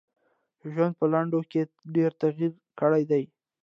ژوند په لنډو کي ډېر تغیر کړی دی .